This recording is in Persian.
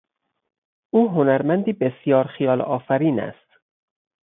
او هنرمندی بسیار خیال آفرین است.